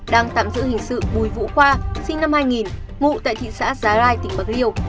đang tạm giữ hình sự bùi vũ khoa sinh năm hai nghìn ngụ tại thị xã giá rai tỉnh bạc liêu